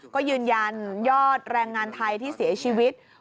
ก็ยืนยันยอดแรงงานไทยที่เสียชีวิต